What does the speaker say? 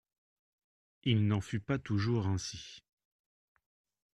Il n’en fut pas toujours ainsi…